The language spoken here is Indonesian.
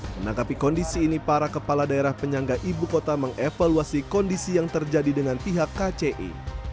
menanggapi kondisi ini para kepala daerah penyangga ibu kota mengevaluasi kondisi yang terjadi dengan pihak kci